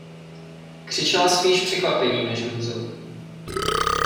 Křičela spíš překvapením než hrůzou.